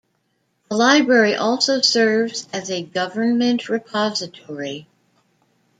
The library also serves as a government repository.